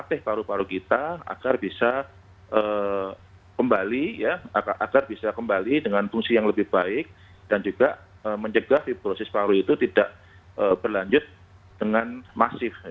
mematih paru paru kita agar bisa kembali dengan fungsi yang lebih baik dan juga menjegah fibrosis paru itu tidak berlanjut dengan masif